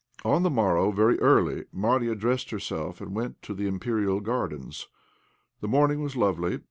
On the morrow, very early, Marya dressed herself and went to the Imperial Gardens. The morning was lovely.